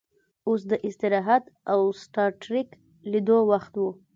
اوس د استراحت او سټار ټریک لیدلو وخت و